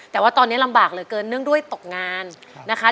แต่ว่าตอนนี้ลำบากเหลือเกินเนื่องด้วยตกงานนะคะ